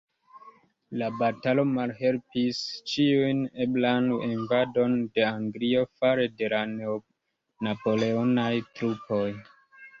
La batalo malhelpis ĉiun eblan invadon de Anglio fare de la napoleonaj trupoj.